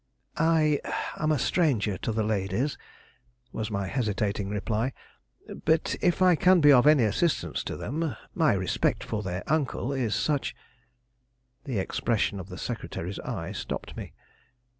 "I am a stranger to the ladies," was my hesitating reply, "but if I can be of any assistance to them, my respect for their uncle is such " The expression of the secretary's eye stopped me.